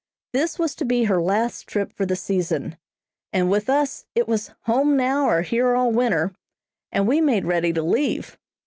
This was to be her last trip for the season, and with us it was "home now, or here all winter," and we made ready to leave.